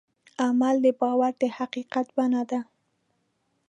عمل د باور د حقیقت بڼه ده.